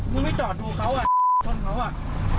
ไม่จอดดูเขาอ่ะชนเขาอ่ะ